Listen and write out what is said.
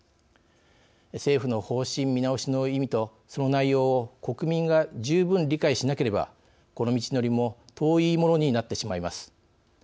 政府の方針見直しの意味とその内容を国民が十分理解しなければこの道のりも遠いものになってしまいます。